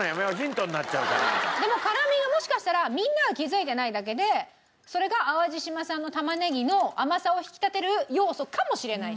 でも辛みはもしかしたらみんなは気づいてないだけでそれが淡路島産の玉ねぎの甘さを引き立てる要素かもしれないし。